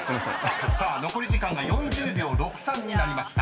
［さあ残り時間が４０秒６３になりました］